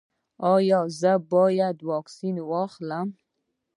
ایا زه باید اکسیجن واخلم؟